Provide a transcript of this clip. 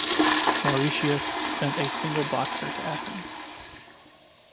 Mauritius sent a single boxer to Athens.